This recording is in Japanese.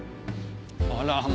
あら。